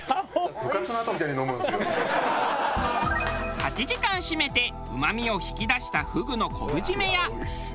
８時間締めてうまみを引き出したフグの昆布締めや。